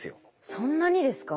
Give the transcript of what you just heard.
そんなにですか？